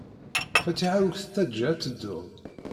Fatiḥa ur k-tettajja ad teddud.